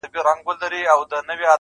چي يو ځل بيا څوک په واه ،واه سي راته_